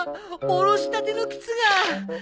下ろしたての靴が！